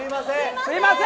すみません。